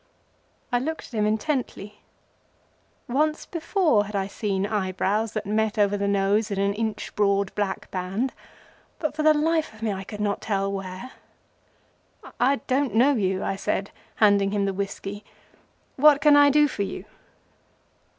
I looked at him intently. Once before had I seen eyebrows that met over the nose in an inch broad black band, but for the life of me I could not tell where. "I don't know you," I said, handing him the whiskey. "What can I do for you?"